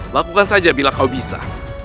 lakukan saja bila kau bisa